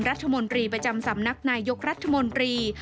รัฐมนตรีประจำสำนักนายยกรัฐมนตรี